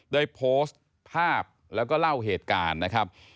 ได้โพสต์ภาพแล้วก็เล่าเหตุการณ์นะครับ